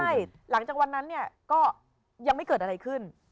ใช่หลังจากวันนั้นเนี่ยก็ยังไม่เกิดอะไรขึ้น